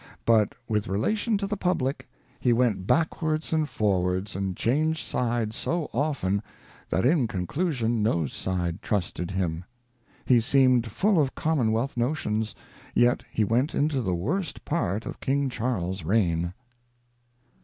But, with relation to the public, he went backwards and forwards, and changed sides so often, that in conclusion no side trusted him. He seemed full of commonwealth notions, yet he went into the worst part of King Charles's reign.'